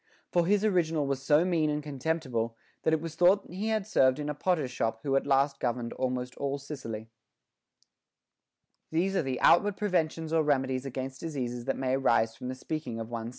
For his original was so mean and contemptible, that it was thought he had served in a potter's shop who at last governed almost all Sicily. 14. These are the outward preventions or remedies against diseases that may arise from the speaking of one's * II. XXIII. 673 and 670. t Odyss.